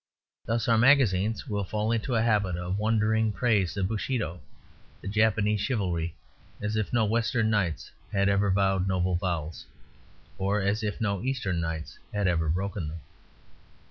Thus our magazines will fall into a habit of wondering praise of Bushido, the Japanese chivalry, as if no Western knights had ever vowed noble vows, or as if no Eastern knights had ever broken them.